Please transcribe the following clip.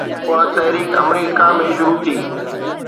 اها تحريڪ آمريڪا ۾ شروع ٿي